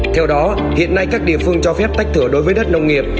theo đó hiện nay các địa phương cho phép tách thửa đối với đất nông nghiệp